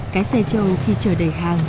cái xe trâu khi chờ đẩy hàng